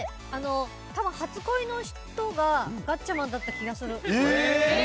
多分、初恋の人がガッチャマンだった気がする。